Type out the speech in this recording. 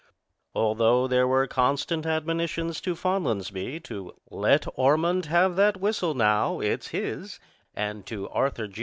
Although there were constant admonitions to Fonlansbee to "Let Ormond have that whistle now; it's his," and to Arthur, Jr.